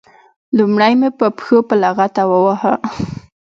لومړی مې په پښو په لغته وواهه.